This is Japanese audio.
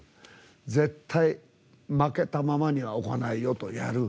絶対、負けたままにはしないやる。